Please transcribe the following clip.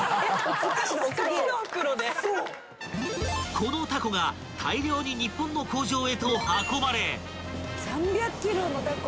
［このタコが大量に日本の工場へと運ばれ］